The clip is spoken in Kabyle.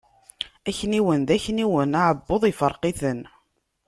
Akniwen d akniwen, aɛebbuḍ ifreq-iten.